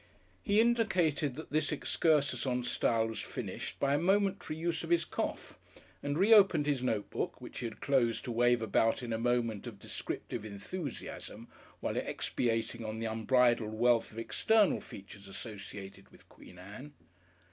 He indicated that this excursus on style was finished by a momentary use of his cough, and reopened his notebook, which he had closed to wave about in a moment of descriptive enthusiasm while expatiating on the unbridled wealth of External Features associated with Queen Anne.